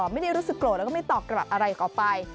ไม่ได้รู้สึกโกรธแล้วก็ไม่ตอบกลับอะไรต่อไป